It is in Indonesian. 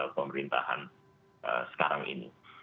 pemerintahan sekarang ini